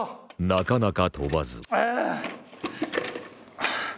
なかなか飛ばずうぅ！